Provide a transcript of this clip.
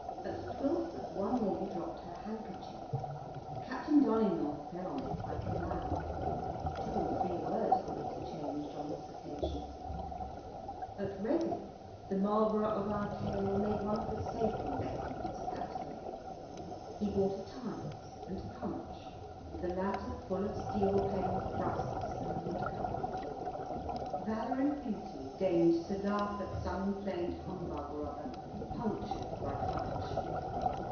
At Twylford one lady dropped her handkerchief; Captain Dolignan fell on it like a lamb; two or three words were interchanged on this occasion. At Reading the Marlborough of our tale made one of the safe investments of that day; he bought a "Times" and "Punch" the latter full of steel pen thrusts and woodcuts. Valour and beauty deigned to laugh at some inflamed humbug or other punctured by "Punch."